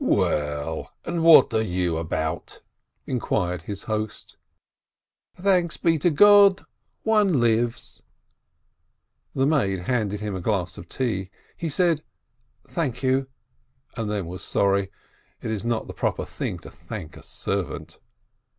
"Well, and what are you about?" inquired his host. "Thanks be to God, one lives !" The maid handed him a glass of tea. He said, "Thank you," and then was sorry : it is not the proper thing to thank a servant.